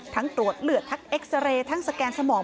ตรวจเลือดทั้งเอ็กซาเรย์ทั้งสแกนสมอง